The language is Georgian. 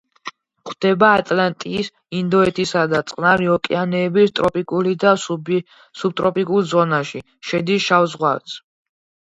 გვხვდება ატლანტის, ინდოეთისა და წყნარი ოკეანეების ტროპიკულ და სუბტროპიკულ ზონაში, შედის შავ ზღვაშიც.